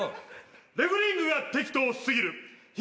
レフェリングが適当過ぎる東